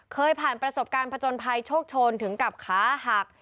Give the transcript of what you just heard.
เคยผ่านประสบการณ์ผจญภัยโชคชนถึงกับขาหัก